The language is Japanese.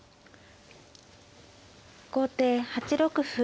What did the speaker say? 後手８六歩。